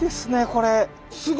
これ！